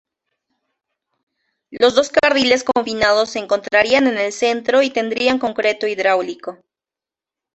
Los dos carriles confinados se encontrarían en el centro y tendrían concreto hidráulico.